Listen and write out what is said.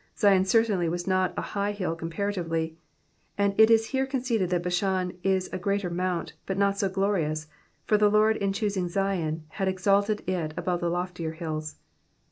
Zion certainly was not a high hill comparatively ; and it is here conceded that Bashan is a greater mount, but not so glorious, for the Lord in choosing Zion had exalted it above the loftier hills.